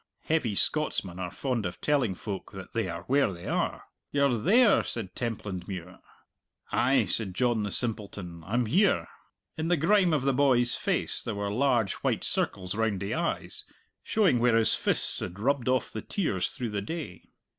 Heavy Scotsmen are fond of telling folk that they are where they are. "You're there!" said Templandmuir. "Ay," said John, the simpleton, "I'm here." In the grime of the boy's face there were large white circles round the eyes, showing where his fists had rubbed off the tears through the day.